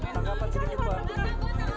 tanggapan sedikit pak